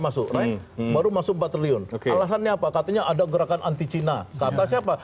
masuk naik baru masuk empat triliun alasannya apa katanya ada gerakan anti cina kata siapa